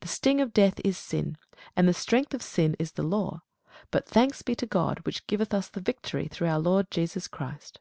The sting of death is sin; and the strength of sin is the law. But thanks be to God, which giveth us the victory through our Lord Jesus Christ.